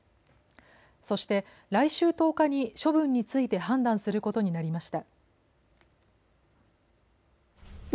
そして来週１０日に処分について判断することになりました。